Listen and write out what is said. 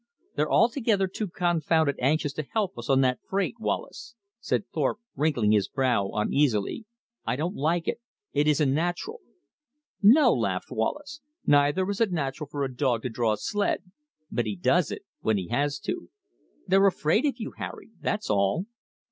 "They're altogether too confounded anxious to help us on that freight, Wallace," said Thorpe wrinkling his brow uneasily. "I don't like it. It isn't natural." "No," laughed Wallace, "neither is it natural for a dog to draw a sledge. But he does it when he has to. They're afraid of you, Harry: that's all."